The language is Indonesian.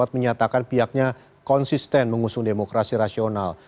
menyatakan pihaknya konsisten mengusung demokrasi rasional